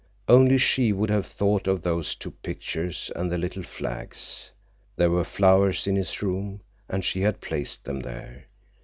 Only she would have thought of those two pictures and the little flags. There were flowers in his room, and she had placed them there.